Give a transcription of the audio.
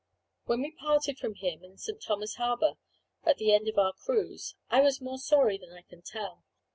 When we parted from him in St. Thomas harbour, at the end of our cruise, I was more sorry than I can tell.